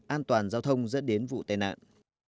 an toàn giao thông dẫn đến vụ tai nạn